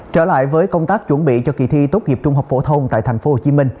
trở lại với công tác chuẩn bị cho kỳ thi tốt nghiệp trung học phổ thông tại tp hcm